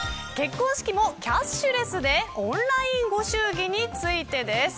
結婚式もキャッシュレスでオンラインご祝儀についてです。